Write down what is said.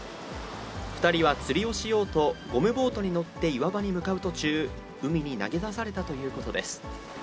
２人は釣りをしようと、ゴムボートに乗って岩場に向かう途中、海に投げ出されたということです。